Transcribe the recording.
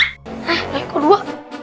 eh kok dua